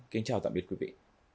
kính chào tạm biệt quý vị